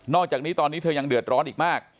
อกจากนี้ตอนนี้เธอยังเดือดร้อนอีกมาก